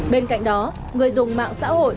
bên cạnh đó người dùng mạng xã hội